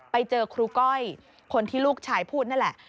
ไปเจอครูก้อยคนที่ลูกชายพูดนั่นแหละ